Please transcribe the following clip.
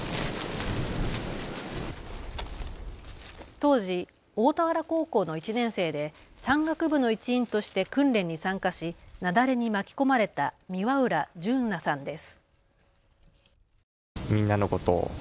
当時、大田原高校の１年生で山岳部の一員として訓練に参加し雪崩に巻き込まれた三輪浦淳和さんです。